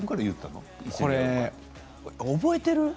覚えてる？。